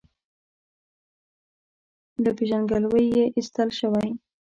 له پېژندګلوۍ یې ایستل شوی.